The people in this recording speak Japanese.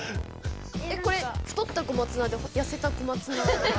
これ太った小松菜でやせた小松菜。